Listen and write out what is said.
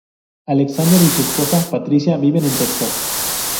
Alexander Y su esposa, Patricia, viven en Texas.